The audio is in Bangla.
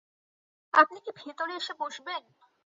আপনি কি ভেতরে এসে বসবেন?